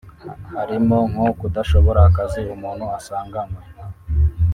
harimo nko kudashobora akazi umuntu asanganywe